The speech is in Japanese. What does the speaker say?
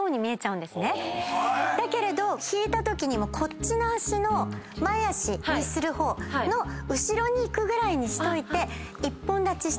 だけれど引いたときにこっちの脚の前脚にする方の後ろに行くぐらいにしといて一本立ちしてあげるんです。